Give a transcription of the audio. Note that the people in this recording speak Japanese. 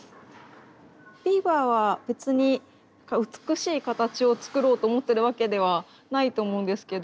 ビーバーは別に美しい形を作ろうと思ってるわけではないと思うんですけど。